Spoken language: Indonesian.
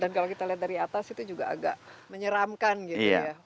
dan kalau kita lihat dari atas itu juga agak menyeramkan gitu ya